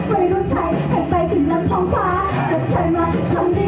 แม่งไปไหนอย่าถ้าเข้าแบบแม่งดี